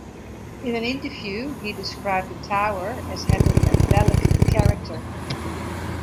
In an interview, he described the tower as having a phallic character.